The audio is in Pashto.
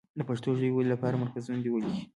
د پښتو ژبې ودې لپاره مرکزونه دې ولیکي.